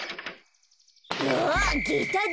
あっげただ。